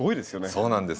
そうなんです。